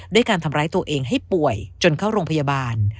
การทำร้ายตัวเองให้ป่วยจนเข้าโรงพยาบาล